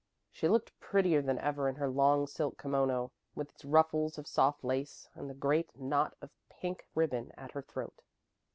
She looked prettier than ever in her long silk kimono, with its ruffles of soft lace and the great knot of pink ribbon at her throat.